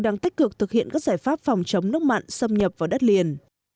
đang tích cực thực hiện các giải pháp phòng chống nước mặn xâm nhập vào đất liền